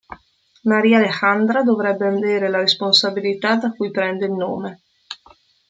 Maria Alejandra dovrebbe avere la responsabilità da cui prende il nome.